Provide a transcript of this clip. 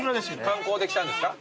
観光で来たんですか？